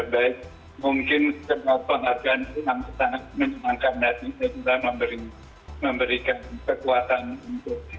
baik mungkin penghargaan itu sangat menyenangkan dan juga memberikan kekuatan untuk